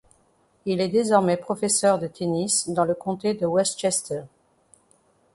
Il est désormais professeur de tennis dans le comté de Westchester.